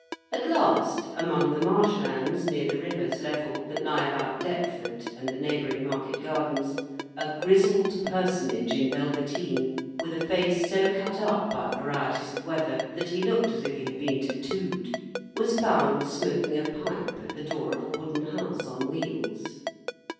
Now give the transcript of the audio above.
At last, among the marsh lands near the river's level, that lie about Deptford and the neighbouring market gardens, a Grizzled Personage in velveteen, with a face so cut up by varieties of weather that he looked as if he had been tattooed, was found smoking a pipe at the door of a wooden house on wheels.